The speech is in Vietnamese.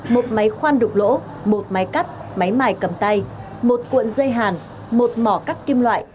một máy khoan đục lỗ một máy cắt máy mài cầm tay một cuộn dây hàn một mỏ cắt kim loại